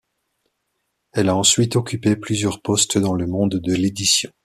Elle a ensuite occupé plusieurs postes dans le monde de l'édition.